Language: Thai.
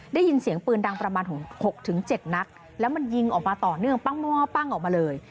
ได้ยินเสียงปืนดังประมาณ๖๗นัดแล้วมันยิงออกมาต่อเนื่องปั้งหม้อปั้งออกมาเลย